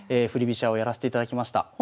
振り飛車をやらせていただきました。